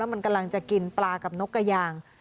มันกำลังจะกินปลากับนกกระยาง